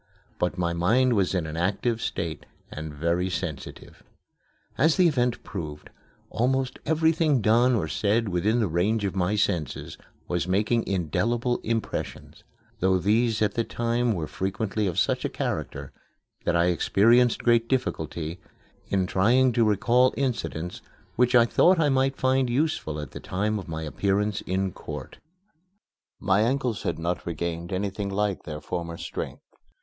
But my mind was in an active state and very sensitive. As the event proved, almost everything done or said within the range of my senses was making indelible impressions, though these at the time were frequently of such a character that I experienced great difficulty in trying to recall incidents which I thought I might find useful at the time of my appearance in court. My ankles had not regained anything like their former strength.